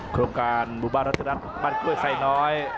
โครงการบ้านรัฐรัฐบ้านกล้วยใส่น้อย